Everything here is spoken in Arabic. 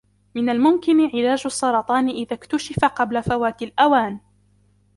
من الممكن علاج السرطان إذا اكتشف قبل فوات الأوان.